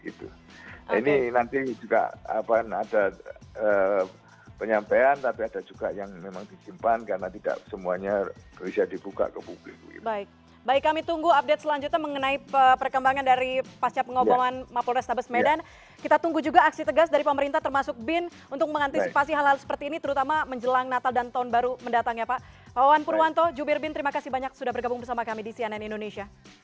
ini nanti juga ada penyampaian tapi ada juga yang memang disimpan karena tidak semuanya bisa dibuka ke publik